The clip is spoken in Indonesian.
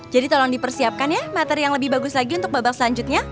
jadi tolong dipersiapkan ya materi yang lebih bagus lagi untuk babak selanjutnya